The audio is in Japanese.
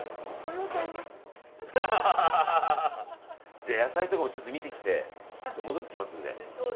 じゃあ野菜とかもちょっと見てきて戻ってきますんで。